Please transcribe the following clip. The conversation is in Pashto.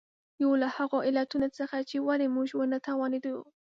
یو له هغو علتونو څخه چې ولې موږ ونه توانېدو.